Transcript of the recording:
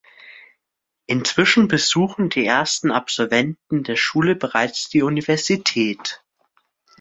Inzwischen besuchen die ersten Absolventen der Schule bereits die Universität.